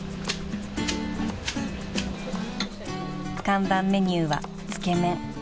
［看板メニューはつけ麺］